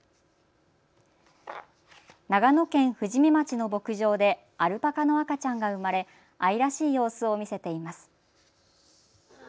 長野県富士見町の牧場でアルパカの赤ちゃんが生まれ愛らしい様子を見せています。